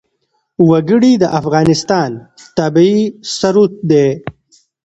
وګړي د افغانستان طبعي ثروت دی.